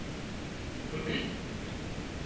他就在此时发现了苯胺紫。